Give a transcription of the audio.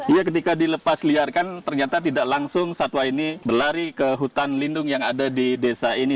iya ketika dilepas liarkan ternyata tidak langsung satwa ini berlari ke hutan lindung yang ada di desa ini